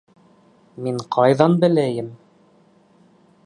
Мин ҡайҙан беләйем.